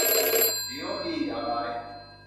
เดี๋ยวดีเดี๋ยวร้าย